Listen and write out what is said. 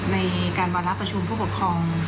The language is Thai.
ในการวาระประชุมผู้ปกครอง